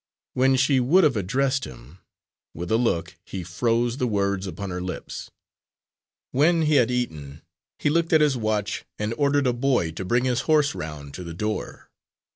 When she would have addressed him, with a look he froze the words upon her lips. When he had eaten he looked at his watch, and ordered a boy to bring his horse round to the door.